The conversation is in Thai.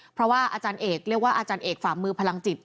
เพราะว่าอาจารย์เอกเรียกว่าอาจารย์เอกฝ่ามือพลังจิต